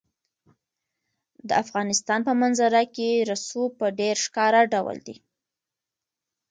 د افغانستان په منظره کې رسوب په ډېر ښکاره ډول دي.